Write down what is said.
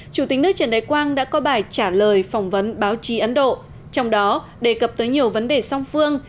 chủ tịch nước trần đại quang đã có bài trả lời phỏng vấn báo chí ấn độ trong đó đề cập tới nhiều vấn đề song phương